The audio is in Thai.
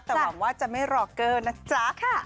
แต่หวังว่าจะไม่รอเกอร์นะจ๊ะ